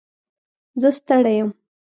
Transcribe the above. زه ستړی یم.